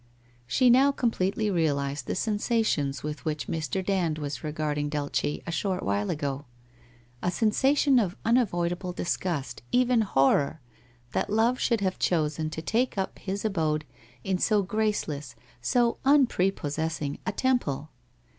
She now completely realized the sensations with which Mr. Dand was regarding Dulce a short while ago — a sen sation of unavoidable disgust, even horror, that Love should have chosen to take up his abode in so graceless, so un prepossessing a temple!